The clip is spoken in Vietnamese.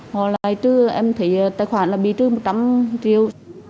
họ lại trừ em thấy tài khoản là bị trừ một trăm linh triệu